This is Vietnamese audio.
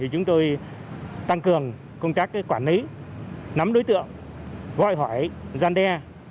chúng tôi tăng cường công tác quản lý nắm đối tượng gọi hỏi gian đe